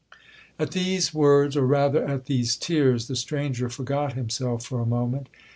'At these words, or rather at these tears, the stranger forgot himself for a moment.